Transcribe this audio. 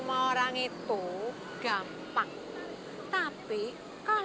mau jalan apa